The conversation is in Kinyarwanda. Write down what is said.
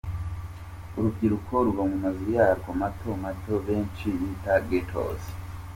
urubyiruko ruba mu mazu yarwo mato mato benshi bita Ghettos.